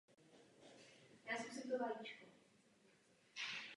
Ve hrách se objevují postavy ze světa Maria.